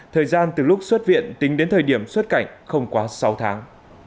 thời gian từ lúc xuất viện tính đến thời điểm xuất cảnh không quá sáu tháng